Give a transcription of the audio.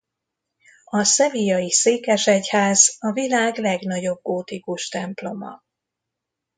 A sevillai székesegyház a világ legnagyobb gótikus temploma.